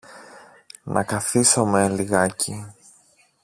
Να καθίσομε λιγάκι.